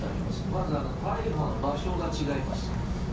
まず、逮捕の場所が違います。